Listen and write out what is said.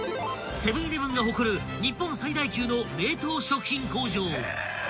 ［セブン−イレブンが誇る日本最大級の冷凍食品工場］